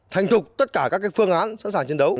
thành thục tất cả các phương án sẵn sàng chiến đấu